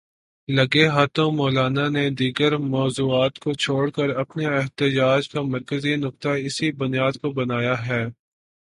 لگے ہاتھوں مولانا نے دیگر موضوعات کو چھوڑ کے اپنے احتجاج کا مرکزی نکتہ اسی بنیاد کو بنایا ہے۔